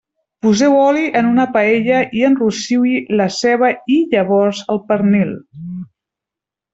Poseu oli en una paella i enrossiu-hi la ceba i llavors el pernil.